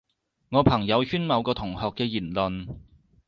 我朋友圈某個同學嘅言論